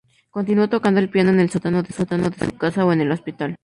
Continuó tocando el piano en el sótano de su casa o en el hospital.